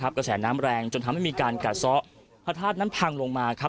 กระแสน้ำแรงจนทำให้มีการกัดซ้อพระธาตุนั้นพังลงมาครับ